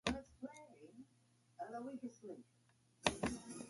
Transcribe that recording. On an appointed day he was taken out to the bar.